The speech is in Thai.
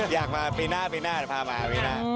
อยากมาปีหน้าจะพามาปีหน้า